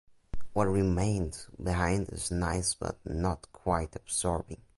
What remained behind is nice but not quite absorbing.